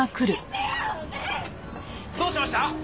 どうしました！？